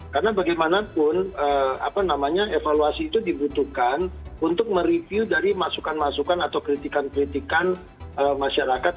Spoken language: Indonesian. karena bagaimanapun evaluasi itu dibutuhkan untuk mereview dari masukan masukan atau kritikan kritikan masyarakat